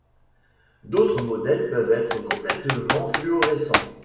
D'autres modèles peuvent être complètement fluorescents.